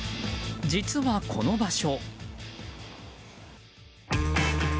実はこの場所。